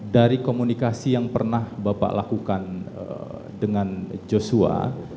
dari komunikasi yang pernah bapak lakukan dengan joshua